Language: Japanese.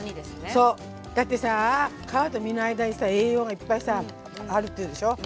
そうだってさ皮と身の間にさ栄養がいっぱいさあるって言うでしょ。